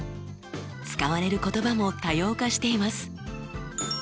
使われる言葉も多様化しています。